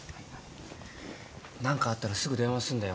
何かあったらすぐ電話すんだよ。